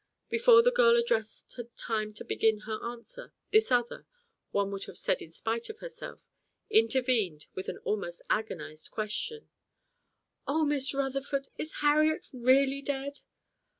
Before the girl addressed had time to begin her answer, this other, one would have said in spite of herself, intervened with an almost agonised question. "Oh, Miss Rutherford, is Harriet really dead?"